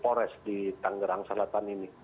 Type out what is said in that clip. pores di tangerang selatan ini